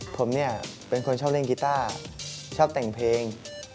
ผมเนี่ยเป็นคนชอบเล่นกีต้าชอบแต่งเพลง